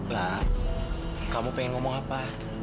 lah kamu pengen ngomong apa